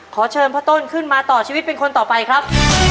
ขอเชิญพ่อต้นขึ้นมาต่อชีวิตเป็นคนต่อไปครับ